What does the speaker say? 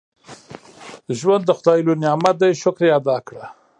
• ژوند د خدای لوی نعمت دی، شکر یې ادا کړه.